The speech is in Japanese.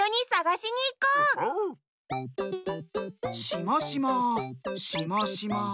しましましましま。